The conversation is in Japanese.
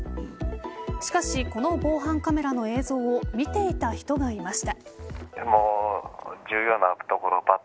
しかしこの防犯カメラの映像を見ていた人がいました。